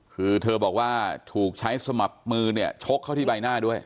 คือเธอบอกว่าถูกใช้สนับมือเนี่ยชกเขาที่บรรยาชน์หน้าด้วย